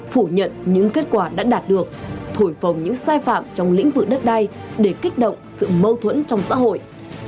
phủ nhận những kết quả đã đạt được thổi phồng những sai phạm trong lĩnh vực đất đai để kích động sự mâu thuẫn trong xã hội